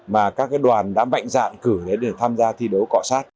mà các đoàn đã mạnh dạn cử để tham gia thi đấu cọ sát